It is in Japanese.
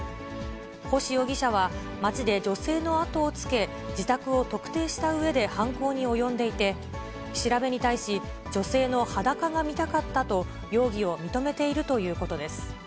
星容疑者は、街で女性の後をつけ、自宅を特定したうえで犯行に及んでいて、調べに対し、女性の裸が見たかったと、容疑を認めているということです。